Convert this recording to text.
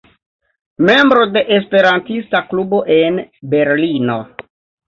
Membro de Esperantista klubo en Brno.